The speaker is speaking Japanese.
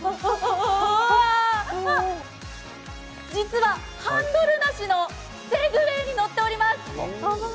ああ、あ実はハンドルなしのセグウェイに乗ってます。